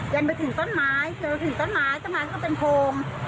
เจอถึงต้นไม้ต้นไม้ก็เป็นโพง